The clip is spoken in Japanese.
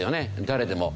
誰でも。